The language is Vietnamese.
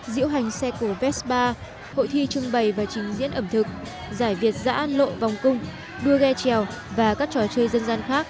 diễu hành xe cổ ves ba hội thi trưng bày và trình diễn ẩm thực giải việt giã lộ vòng cung đua ghe trèo và các trò chơi dân gian khác